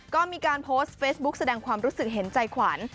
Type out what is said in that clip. ก็มีการโพสต์เฟซบุ๊กแสดงความรู้สึกเห็นใจขวัญ